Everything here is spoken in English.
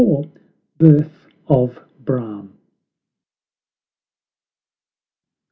BIRTH OF BRAHM.